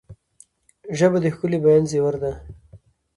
ژبه د ښکلي بیان زیور ده